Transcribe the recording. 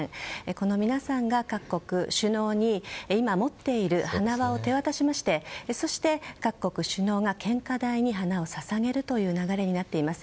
この皆さんが各国首脳に今、持っている花輪を手渡しましてそして各国首脳が献花台に花を捧げるという流れになっています。